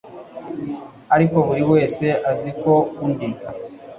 Ariko buri wese azi ko undi